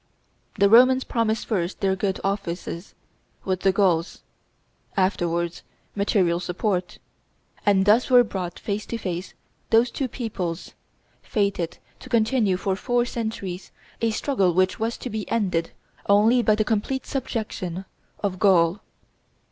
The Romans promised first their good offices with the Gauls, afterwards material support; and thus were brought face to face those two peoples, fated to continue for four centuries a struggle which was to be ended only by the complete subjection of Gaul.